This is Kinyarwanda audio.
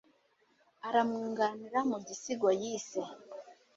aramwunganira mu gisigo yise